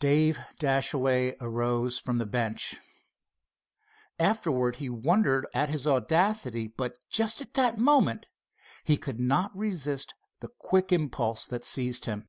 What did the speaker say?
Dave Dashaway arose from the bench. Afterwards he wondered at his audacity, but just at that moment he could not resist the quick impulse that seized him.